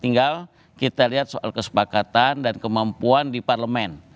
tinggal kita lihat soal kesepakatan dan kemampuan di parlemen